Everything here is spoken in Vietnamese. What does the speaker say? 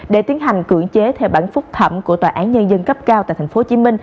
để tiến hành cưỡng chế theo bản phúc thẩm của tòa án nhân dân cấp cao tại tp hcm